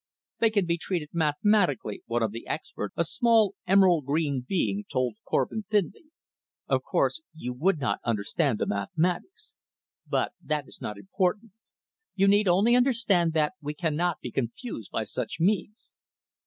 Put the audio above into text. "They can be treated mathematically," one of the experts, a small emerald green being, told Korvin thinly. "Of course, you would not understand the mathematics. But that is not important. You need only understand that we cannot be confused by such means."